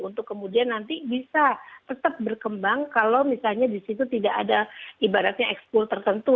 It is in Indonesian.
untuk kemudian nanti bisa tetap berkembang kalau misalnya di situ tidak ada ibaratnya expo tertentu